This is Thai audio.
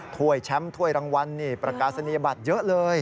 ถ้วยแชมป์ถ้วยรางวัลนี่ประกาศนียบัตรเยอะเลย